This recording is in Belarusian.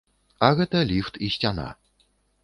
А гэта ліфт і сцяна.